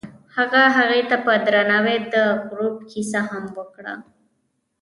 هغه هغې ته په درناوي د غروب کیسه هم وکړه.